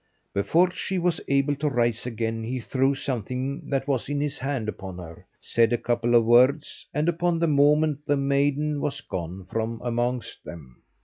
Before she was able to rise again he threw something that was in his hand upon her, said a couple of words, and upon the moment the maiden was gone from amongst them.